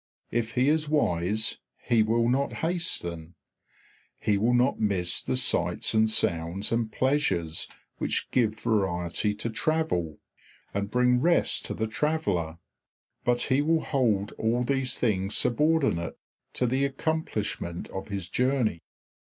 If he is wise, he will not hasten; he will not miss the sights and sounds and pleasures which give variety to travel and bring rest to the traveller; but he will hold all these things subordinate to the accomplishment of his journey.